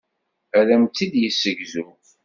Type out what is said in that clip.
Ad am-tt-id-yessegzu.